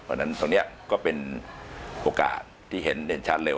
เพราะฉะนั้นตรงนี้ก็เป็นโอกาสที่เห็นเด่นชัดเลยว่า